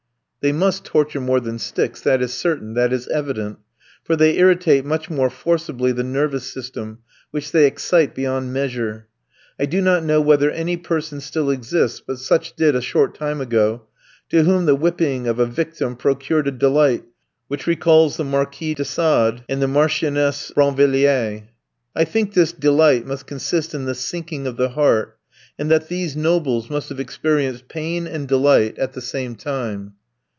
They must torture more than sticks, that is certain, that is evident; for they irritate much more forcibly the nervous system, which they excite beyond measure. I do not know whether any person still exists, but such did a short time ago, to whom the whipping of a victim procured a delight which recalls the Marquis de Sade and the Marchioness Brinvilliers. I think this delight must consist in the sinking of the heart, and that these nobles must have experienced pain and delight at the same time.